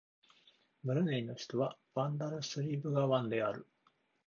ブルネイの首都はバンダルスリブガワンである